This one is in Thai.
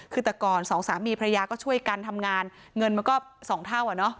คือแต่ก่อนสองสามีภรรยาก็ช่วยกันทำงานเงินมันก็๒เท่าอ่ะเนอะ